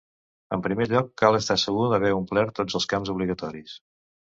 En primer lloc, cal estar segur d'haver omplert tots els camps obligatoris.